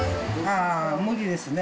あー、無理ですね。